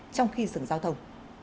trong khi dừng giao thông